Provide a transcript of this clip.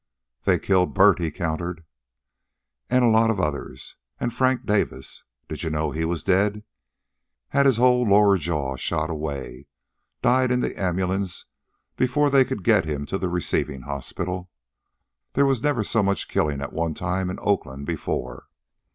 "They killed Bert," he countered. "An' a lot of others. An' Frank Davis. Did you know he was dead? Had his whole lower jaw shot away died in the ambulance before they could get him to the receiving hospital. There was never so much killin' at one time in Oakland before."